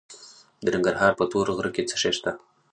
د ننګرهار په تور غره کې څه شی شته؟